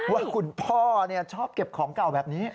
ว่าคุณพ่อชอบเก็บของเก่าแบบนี้